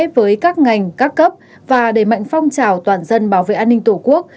với các ngành các cấp và đẩy mạnh phong trào toàn dân bảo vệ an ninh tổ quốc